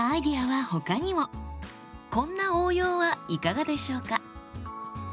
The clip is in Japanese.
こんな応用はいかがでしょうか？